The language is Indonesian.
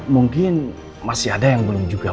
mungkin masih ada yang belum juga